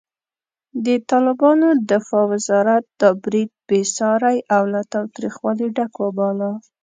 د طالبانو دفاع وزارت دا برید بېساری او له تاوتریخوالي ډک وباله.